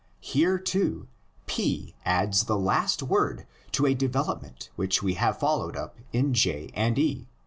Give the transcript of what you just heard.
Here, too, P adds the last word to a development which we have followed up in J and E.